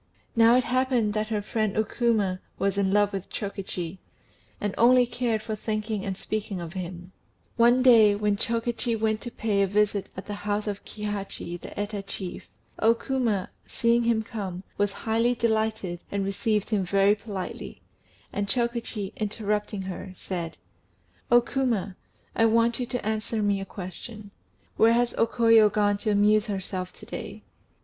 Now it happened that her friend O Kuma was in love with Chokichi, and only cared for thinking and speaking of him; one day, when Chokichi went to pay a visit at the house of Kihachi the Eta chief, O Kuma, seeing him come, was highly delighted, and received him very politely; and Chokichi, interrupting her, said "O Kuma, I want you to answer me a question: where has O Koyo gone to amuse herself to day?"